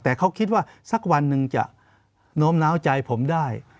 แต่เขาคิดว่าสักวันหนึ่งจะโน้มน้าวใจผมได้